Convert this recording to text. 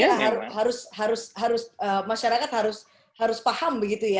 jadi artinya masyarakat harus paham begitu ya